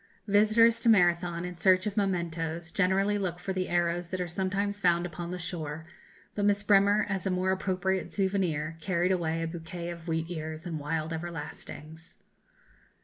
Visitors to Marathon, in search of mementoes, generally look for the arrows that are sometimes found upon the shore; but Miss Bremer, as a more appropriate souvenir, carried away a bouquet of wheat ears and wild everlastings.